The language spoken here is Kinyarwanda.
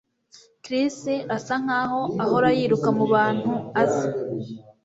Chris asa nkaho ahora yiruka mubantu azi